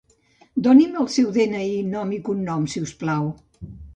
Doni'm el seu de-ena-i, nom i cognoms si us plau.